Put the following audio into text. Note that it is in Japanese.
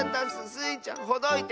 スイちゃんほどいて！